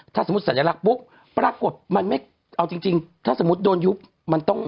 ถ้าสมมุติสัญลักษณ์ปุ๊บปรากฏมันไม่เอาจริงถ้าสมมุติโดนยุบมันต้อง